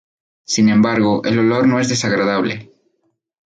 Sin embargo, el olor no es desagradable.